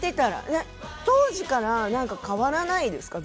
当時から変わらないですか？